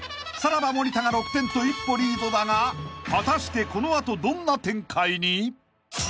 ［さらば森田が６点と一歩リードだが果たしてこの後どんな展開に？］